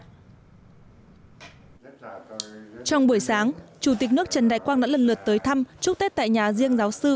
trong buổi sáng chủ tịch nước trần đại quang đã lần lượt tới thăm chúc tết tại nhà riêng giáo sư